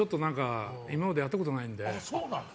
今までやったことないので。